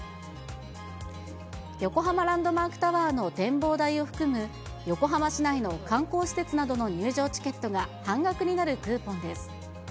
横浜ランドマークタワーの展望台を含む、横浜市内の観光施設などの入場チケットが半額になるクーポンです。